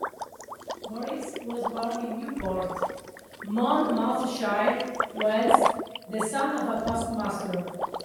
Morris was born in Newport, Monmouthshire, Wales, the son of a postmaster.